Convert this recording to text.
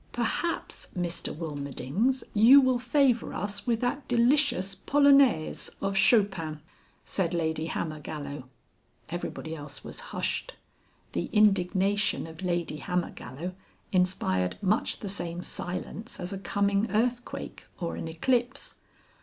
"Perhaps, Mr Wilmerdings, you will favour us with that delicious Polonaise of Chopin's," said Lady Hammergallow. Everybody else was hushed. The indignation of Lady Hammergallow inspired much the same silence as a coming earthquake or an eclipse.